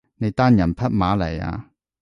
你單人匹馬嚟呀？